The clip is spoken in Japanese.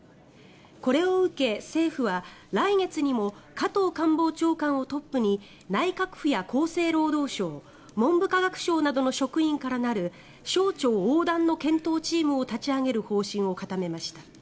これを受け、政府は来月にも加藤官房長官をトップに内閣府や厚生労働省文部科学省などの職員からなる省庁横断の検討チームを立ち上げる方針を固めました。